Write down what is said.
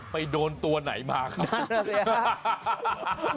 ไปโดนตัวไหนมาครับ